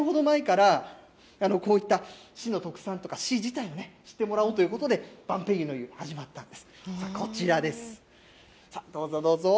２０年ほど前から、こういった市の特産とか、市自体ね、知ってもらおうということで、晩白柚の湯、始まったんです。